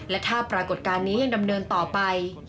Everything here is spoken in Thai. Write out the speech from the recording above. และถ้าปรากฏการณ์นี้ยังดำเนินต่อไป